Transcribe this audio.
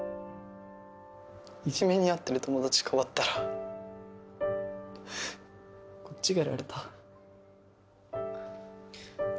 いじめに遭ってる友達かばったらこっちがやられた